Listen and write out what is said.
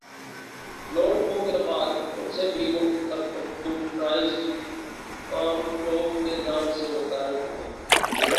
note book کے بعد ان سے بھی مختصر کمپیوٹرز پام ٹوپ کے نام سے متعارف ہوئے